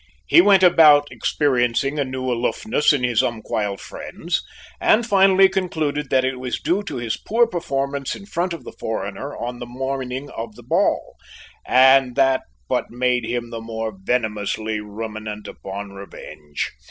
He went about experiencing a new aloofness in his umquhile friends, and finally concluded that it was due to his poor performance in front of the foreigner on the morning of the ball, and that but made him the more venomously ruminant upon revenge.